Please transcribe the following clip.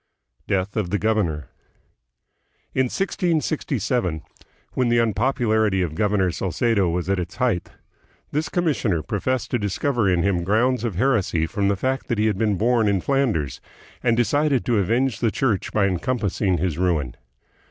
Death of the Governor. In 1667, when the unpop ularity of Governor Salcedo was at its height, this com missioner professed to discover in him grounds of heresy from the fact that he had been born hi Flanders, and decided to avenge the Church by encompassing his ruin.